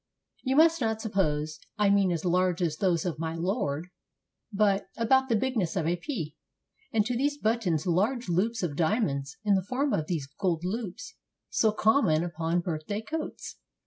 You must not suppose I mean as large as those of my Lord , but about the bigness of a pea; and to these buttons large loops of dia monds, in the form of those gold loops so common upon birthday coats.